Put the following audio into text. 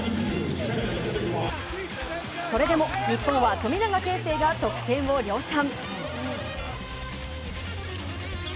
それでも日本は富永啓生が得点を量産。